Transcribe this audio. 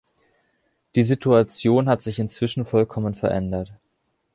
Die Situation hat sich inzwischen vollkommen verändert.